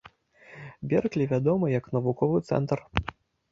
Берклі вядомы як навуковы цэнтр.